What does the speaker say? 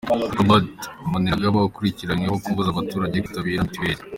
Robert Maniragaba ukurikiranyweho kubuza abaturage kwitabira mituweli.